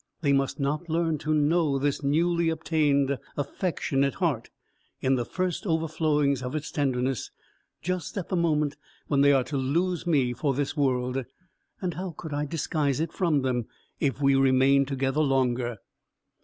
They must not learn to know this newly obtained, affectionate heart, in the first overflowings of its tenderness, just at the moment when they are to lose me for this world; and how could I disguise it from them, if we remained together longer?"